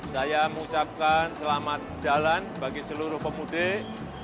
saya mengucapkan selamat jalan bagi seluruh pemudik